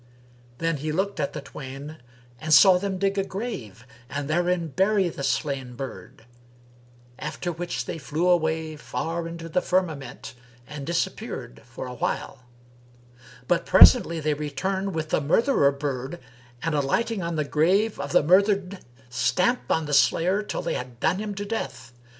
Then he looked at the twain and saw them dig a grave and therein bury the slain bird; after which they flew away far into the firmament and disappeared for a while; but presently they returned with the murtherer bird and, alighting on the grave of the murthered, stamped on the slayer till they had done him to death.